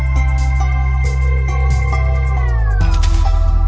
โปรดติดตามต่อไป